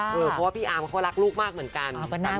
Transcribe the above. เพราะว่าพี่อาร์มเขาก็รักลูกมากเหมือนกัน